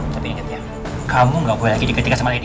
tapi inget ya kamu gak boleh lagi diketikkan sama edi